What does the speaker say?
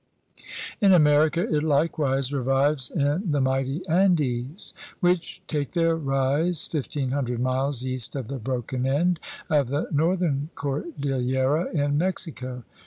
In America it likewise revives in the mighty x\ndes, which take their rise fifteen hundred miles east of the broken end of the northern cordillera in Mexico.